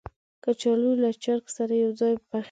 کچالو له چرګ سره یو ځای پخېږي